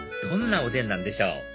どんなおでんなんでしょう？